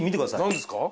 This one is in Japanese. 何ですか？